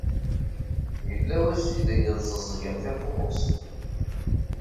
Yella wass ideg teẓẓgem tafunast?